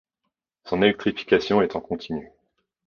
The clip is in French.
Son électrification est en continu.